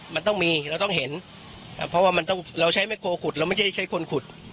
มันต้องมีเราต้องเห็นเพราะว่ามันต้องเราใช้แม่โกขุดเราไม่ใช่ใช้คนขุด